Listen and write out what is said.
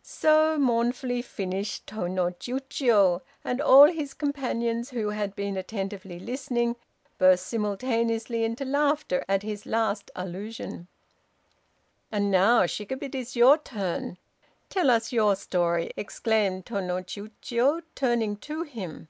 So mournfully finished Tô no Chiûjiô; and all his companions, who had been attentively listening, burst simultaneously into laughter at his last allusion. "And now, Shikib, it is your turn. Tell us your story," exclaimed Tô no Chiûjiô, turning to him.